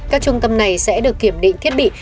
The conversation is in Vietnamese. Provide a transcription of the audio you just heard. các trung tâm này sẽ được kiểm định thiết bị